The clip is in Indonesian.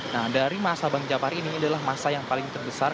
nah dari masa bank jafar ini adalah masa yang paling terbesar